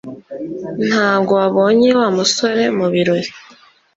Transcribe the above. Ntabwo wabonye Wa musore mubirori